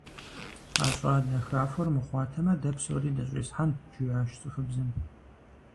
А щӀалэ хахуэр мыхъуатэмэ, дэ псори дыщӀисхьэнт, - жиӀащ цӀыхубзым.